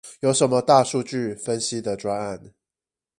有什麼大數據分析的專案？